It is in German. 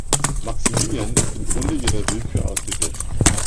Maximilian ist im Grunde ihrer Willkür ausgesetzt.